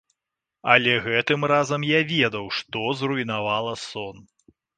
Але гэтым разам я ведаў, што зруйнавала сон.